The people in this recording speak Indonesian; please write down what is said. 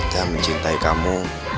dan mencintai kamu